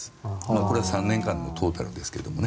これは３年間のトータルですけどね。